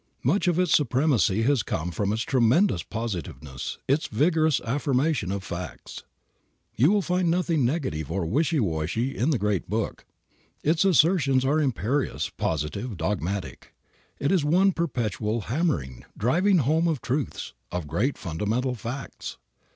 Much of its supremacy has come from its tremendous positiveness, its vigorous affirmation of facts. You will find nothing negative or wishy washy in the Great Book. Its assertions are imperious, positive, dogmatic. It is one perpetual hammering, driving home of truths, of great fundamental facts.